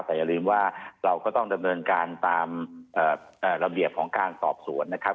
แต่อย่าลืมว่าเราก็ต้องดำเนินการตามระเบียบของการสอบสวนนะครับ